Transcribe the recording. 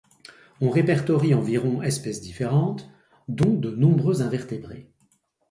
On répertorie environ espèces différentes, dont de nombreux invertébrés.